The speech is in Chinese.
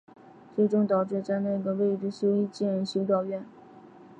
最终导致在那个位置修建修道院。